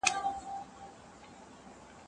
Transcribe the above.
ساندي ګډي په بلبلو په باغوان اعتبار نسته